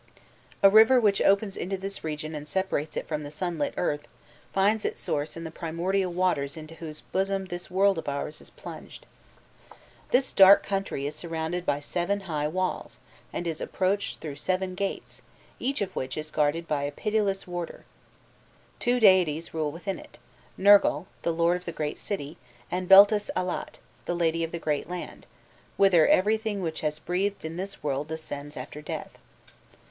A river which opens into this region and separates it from the sunlit earth, finds its source in the primordial waters into whose bosom this world of ours is plunged. This dark country is surrounded by seven high walls, and is approached through seven gates, each of which is guarded by a pitiless warder. Two deities rule within it Nergal, "the lord of the great city," and Beltis Allat, "the lady of the great land," whither everything which has breathed in this world descends after death.